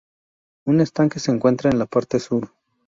Un estanque se encuentra en la parte sur.